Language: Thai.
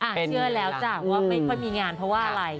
เชื่อแล้วจ้ะว่าไม่ค่อยมีงานเพราะว่าอะไร